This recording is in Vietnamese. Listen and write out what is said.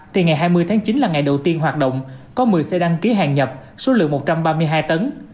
thì ngày hai mươi tháng chín là ngày đầu tiên hoạt động có một mươi xe đăng ký hàng nhập số lượng một trăm ba mươi hai tấn